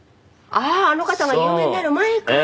あああの方が有名になる前から。